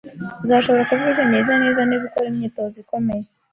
Uzashobora kuvuga icyongereza neza niba ukora imyitozo ikomeye